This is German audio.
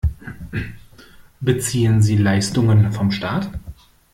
Beziehen Sie Leistungen von Staat?